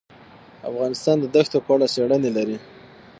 افغانستان د دښتو په اړه څېړنې لري.